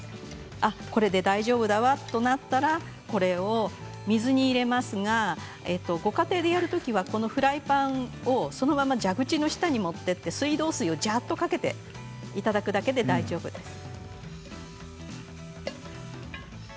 これで大丈夫だわということになったらこれを水に入れますかがご家庭でやるときはフライパンをそのまま蛇口の下に持っていって水道水をじゃっとかけていただくだけで大丈夫です。